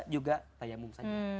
juga tayamum saja